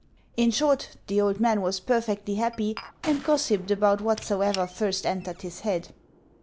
In short, the old man was perfectly happy, and gossiped about whatsoever first entered his head.